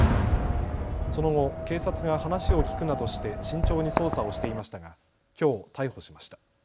その後、警察が話を聞くなどして慎重に捜査をしていましたがきょう逮捕しました。